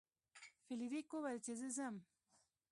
فلیریک وویل چې زه ځم.